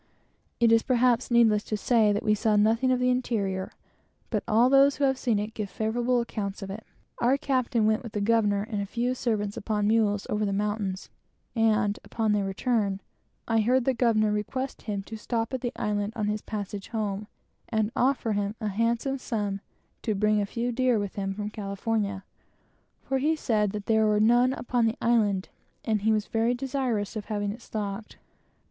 It is perhaps needless to say that we saw nothing of the interior; but all who have seen it, give very glowing accounts of it. Our captain went with the governor and a few servants upon mules over the mountains, and upon their return, I heard the governor request him to stop at the island on his passage home, and offer him a handsome sum to bring a few deer with him from California, for he said that there were none upon the island, and he was very desirous of having it stocked.